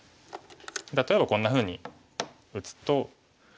例えばこんなふうに打つと。